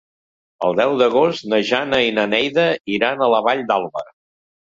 El deu d'agost na Jana i na Neida iran a la Vall d'Alba.